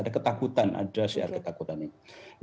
ada ketakutan ada siar ketakutan ini